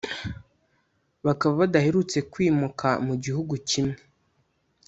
bakaba badaherutse kwimuka mu gihugu kimwe,